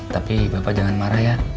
tapi bapak jangan marah ya